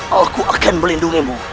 aku akan melindungimu